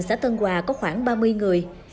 xã tân hòa có khoảng ba mươi người